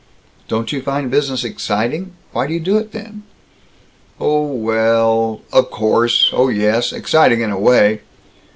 "Don't you find business exciting? Why do you do it then?" "Oh, wellllll Of course Oh, yes, exciting in a way.